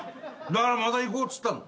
⁉だからまた行こうっつったの。